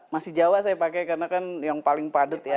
masih jawa saya pakai karena kan yang paling padat ya